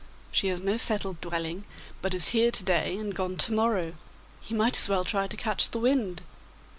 'She has no settled dwelling, but is here to day and gone to morrow. He might as well try to catch the wind.